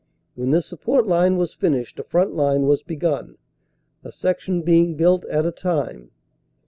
When this support line was finished a front line was begun, a section being built at a time.